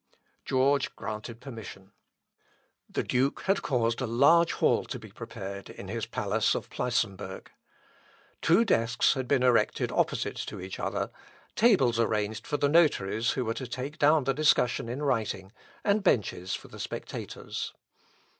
George granted permission. The duke had caused a large hall to be prepared in his palace of Pleissenburg. Two desks had been erected opposite to each other, tables arranged for the notaries who were to take down the discussion in writing, and benches for the spectators.